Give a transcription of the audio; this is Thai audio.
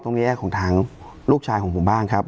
ตรงนี้ของทางลูกชายของผมบ้างครับ